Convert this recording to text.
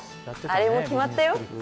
あれも決まったよ